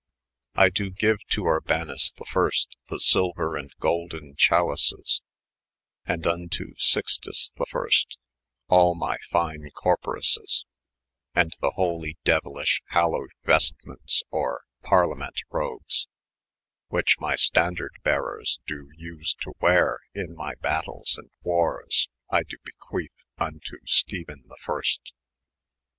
I do geue to Urbanus the .i. the syluer and golden Cha lices ; and vnto Sixtus the first, all my fyne Corporaces j & the holy 'deuelish halowed XJestimentes or Par liament robes, whiche my Standardbearers doo TSe to weare in my battayles and warres, I dooe bequethe vnto Stephen the first.